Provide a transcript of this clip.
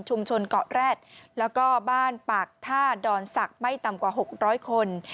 เกาะแร็ดแล้วก็บ้านปากท่าดอนศักดิ์ไม่ต่ำกว่า๖๐๐คน